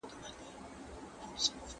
ايا د کورنۍ غړيتوب د منځګړي لپاره حتمي دی؟